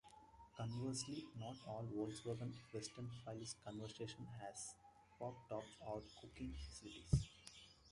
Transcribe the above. Conversely, not all Volkswagen Westfalia conversions had pop-tops or cooking facilities.